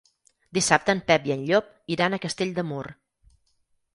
Dissabte en Pep i en Llop iran a Castell de Mur.